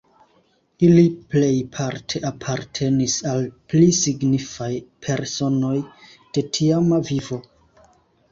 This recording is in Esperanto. Ili plejparte apartenis al pli signifaj personoj de tiama vivo.